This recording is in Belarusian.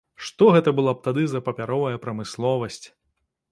Што гэта была б тады за папяровая прамысловасць!